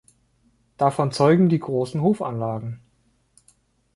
Davon zeugen die großen Hofanlagen.